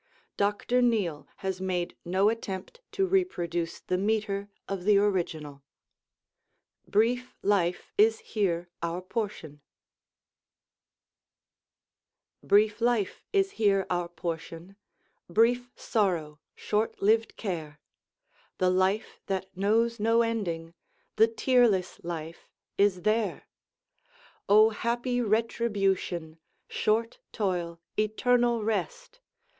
Dr. Neale has made no attempt to reproduce the metre of the original. [ILLUSTRATION: signature: W.T. Prince] BRIEF LIFE IS HERE OUR PORTION Brief life is here our portion, Brief sorrow, short lived care: The Life that knows no ending, The tearless Life, is there: O happy retribution, Short toil, eternal rest!